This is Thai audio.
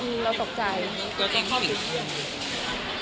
แล้วนึงไงเข้าไปเยี่ยม